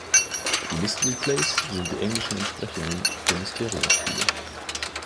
Die "Mystery Plays" sind die englischen Entsprechungen der Mysterienspiele.